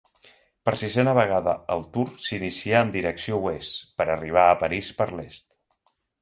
Per sisena vegada el Tour s'inicia en direcció oest, per arribar a París per l'est.